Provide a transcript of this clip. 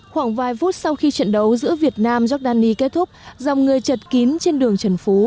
khoảng vài phút sau khi trận đấu giữa việt nam giordani kết thúc dòng người chật kín trên đường trần phú